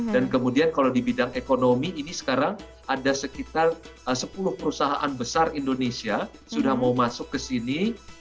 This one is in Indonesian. dan kemudian kalau di bidang ekonomi ini sekarang ada sekitar sepuluh perusahaan besar indonesia sudah mau masuk ke sini